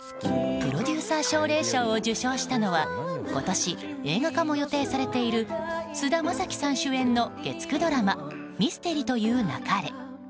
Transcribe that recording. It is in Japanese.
プロデューサー奨励賞を受賞したのは今年、映画化も予定されている菅田将暉さん主演の月９ドラマ「ミステリと言う勿れ」。